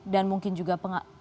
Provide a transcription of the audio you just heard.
dan mungkin juga